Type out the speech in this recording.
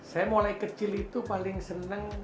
saya mulai kecil itu paling seneng